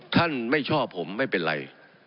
ท่านไม่ชอบผมไม่เป็นไร